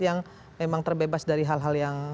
yang memang terbebas dari hal hal yang